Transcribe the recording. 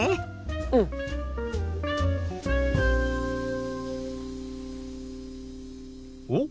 うん！おっ？